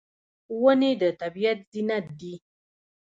ونې د طبیعت زینت دي.